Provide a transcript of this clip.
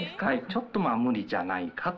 ちょっとまあ、無理じゃないかと。